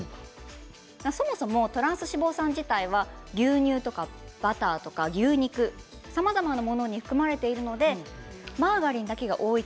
そもそもトランス脂肪酸自体は牛乳とかバターとか牛肉などさまざまなものに含まれていてマーガリンだけが多い